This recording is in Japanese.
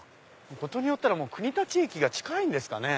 ことによったら国立駅が近いんですかね。